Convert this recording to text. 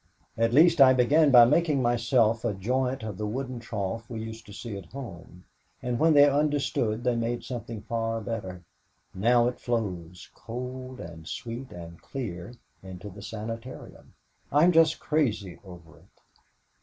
At least I began by making myself a joint of the wooden trough we used to see at home and when they understood they made something far better. Now it flows, cold and sweet and clear into the sanitarium. I'm just crazy over it."